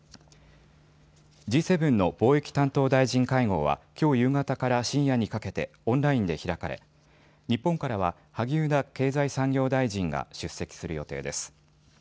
Ｇ７の貿易担当大臣会合はきょう夕方から深夜にかけてオンラインで開かれ日本からは萩生田経済産業大臣が出席する予定です。